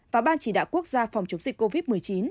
và ban chỉ đạo quốc gia phòng chống dịch covid một mươi chín